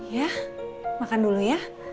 ya makan dulu ya